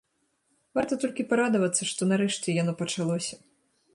Варта толькі парадавацца, што нарэшце яно пачалося.